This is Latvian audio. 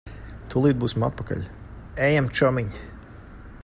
Tūlīt būsim atpakaļ. Ejam, čomiņ.